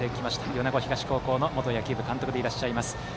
米子東高校の元野球部監督でいらっしゃいます。